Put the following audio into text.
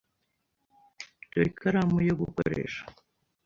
Dore ikaramu yo gukoresha.